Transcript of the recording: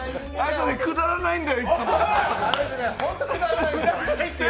くだらないんだよ、いつも。